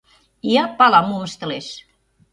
Ия пала, мом ыштылеш.